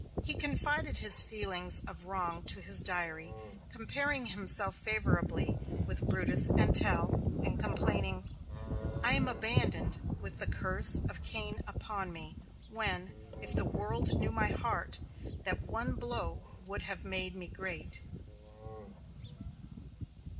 He confided his feelings of wrong to his diary, comparing himself favorably with Brutus and Tell, and complaining: "I am abandoned, with the curse of Cain upon me, when, if the world knew my heart, that one blow would have made me great."